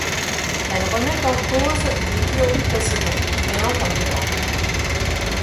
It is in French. Elle remet en cause les théories précédentes, créant un débat.